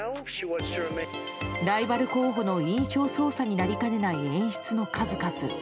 ライバル候補の印象操作になりかねない演出の数々。